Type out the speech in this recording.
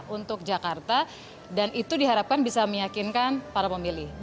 untuk jakarta dan itu diharapkan bisa meyakinkan para pemilih